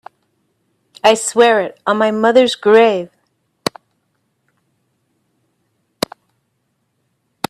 I swear it on my mother's grave.